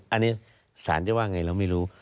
อันนี้ศาลจะว่าไงเราไม่รู้